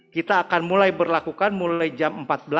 kita akan mulai berlakukan mulai jam empat belas